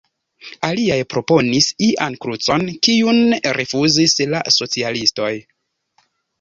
Aliaj proponis ian krucon, kiun rifuzis la socialistoj.